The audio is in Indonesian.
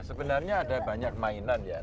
sebenarnya ada banyak mainan ya